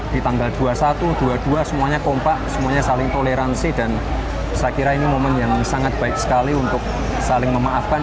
di tanggal dua puluh satu dua puluh dua semuanya kompak semuanya saling toleransi dan saya kira ini momen yang sangat baik sekali untuk saling memaafkan